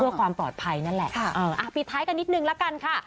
เพื่อความปลอดภัยนั่นแหละปิดท้ายกันนิดนึงละกันค่ะ